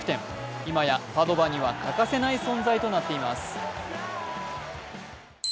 今やパドヴァには欠かせない存在となっています。